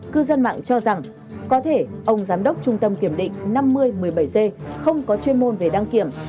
cư dân mạng cho rằng có thể ông giám đốc trung tâm kiểm định năm mươi một mươi bảy g không có chuyên môn về đăng kiểm